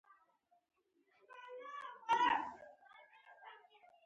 په ورته وخت کې د توکو بیه لوړېږي